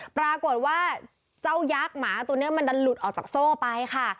ปรากฏว่าเจ้ายักษ์หมาตัวนี้มันดันหลุดออกจากโซ่ไปค่ะ